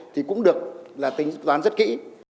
thì cũng được tính toán rất kỹ